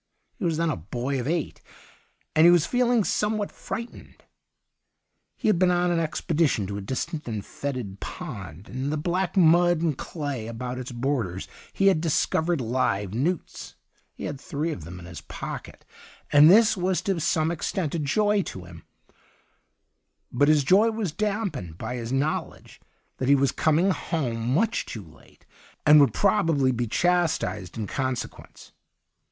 He was then a boy of eight, and he was feeling some what frightened. He had been on an expedition to a distant and foetid pond, and in the black mud and clay about its borders he had dis covered live newts ; he had three of them in his pocket, and this was to some extent a joy to him, but his joy was damped by his know ledge that he was coming home 128 THE UNDYING THING much too late, and would probably be chastised m consequence.